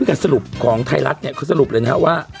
เนี้ยพี่คะสรุปของไทยรัตเนี้ยเขาสรุปเลยนะฮะว่า